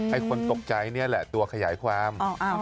คนตกใจนี่แหละตัวขยายความ